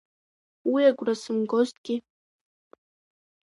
Уи агәра сымгозҭгьы…